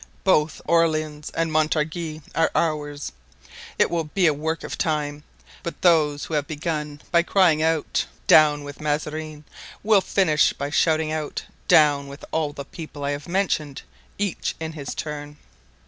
Both Orleans and Montargis are ours. It will be a work of time, but those who have begun by crying out: Down with Mazarin! will finish by shouting out, Down with all the people I have mentioned, each in his turn.